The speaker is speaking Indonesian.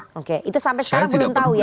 oke itu sampai sekarang belum tahu ya